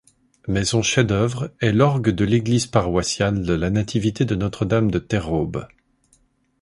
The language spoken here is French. Mais son chef d'œuvre est l'orgue de l'église paroissiale de la-Nativité-de-Notre-Dame de Terraube.